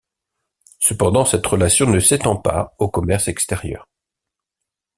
Cependant, cette relation ne s'étend pas au commerce extérieur.